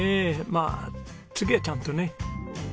まあ次はちゃんとね。